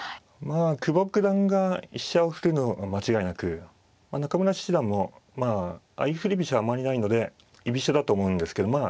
まあ久保九段が飛車を振るのは間違いなく中村七段もまあ相振り飛車はあまりないので居飛車だと思うんですけどま